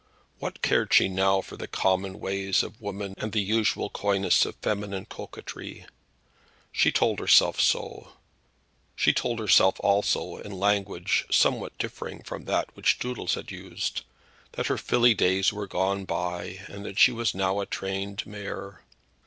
What cared she now for the common ways of women and the usual coynesses of feminine coquetry? She told herself also, in language somewhat differing from that which Doodles had used, that her filly days were gone by, and that she was now a trained mare.